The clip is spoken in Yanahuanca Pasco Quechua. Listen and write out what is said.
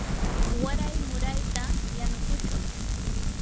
waray murayta yanukushun.